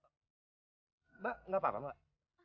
kalian kok gak bermoral sih